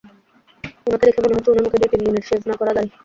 উনাকে দেখে মনে হচ্ছে, উনার মুখে দুই-তিন দিনের শেভ না করা দাঁড়ি।